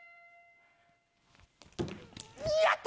やった！